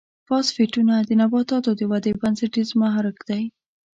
فاسفیټونه د نباتاتو د ودې بنسټیز محرک دی.